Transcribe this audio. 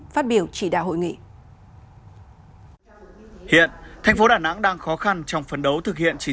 phát biểu chỉ đạo hội nghị hiện thành phố đà nẵng đang khó khăn trong phấn đấu thực hiện chỉ